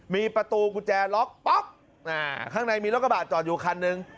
มีประตูกุญแจล็อกปั๊บข้างในมีรถกระบาดจอดอยู่คันหนึ่ง